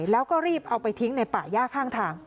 แล้วก็รีบเอาไปทิ้งในป่าย่าข้างทาง